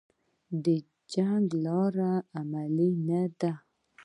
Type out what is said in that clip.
د جنګ لاره عملي نه ده